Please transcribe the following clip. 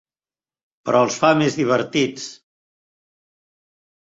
Però els fa més divertits!